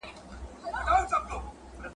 ښکاري وویل زه تا حلالومه !.